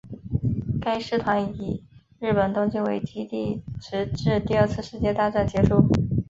该师团以日本东京为基地直至第二次世界大战结束。